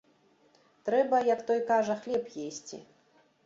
Трэба, як той кажа, хлеб есці.